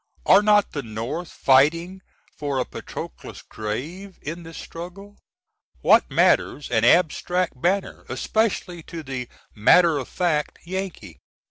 Are not the North fighting for a Patroclus' grave in this struggle? What matters an abstract banner? especially to the _"matter of fact" Yankee?